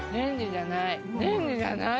レンジじゃない！